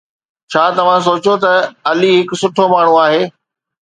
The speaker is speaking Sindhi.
ڇا توهان سوچيو ته علي هڪ سٺو ماڻهو آهي؟